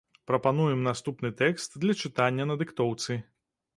Прапануем наступны тэкст для чытання на дыктоўцы.